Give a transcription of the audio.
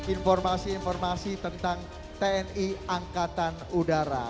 informasi informasi tentang tni angkatan udara